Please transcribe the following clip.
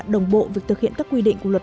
đồng bộ việc thực hiện các quy định của luật